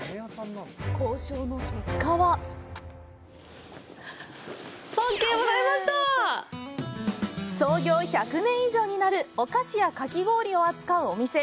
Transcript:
交渉の結果は創業１００年以上になる、お菓子やかき氷を扱うお店。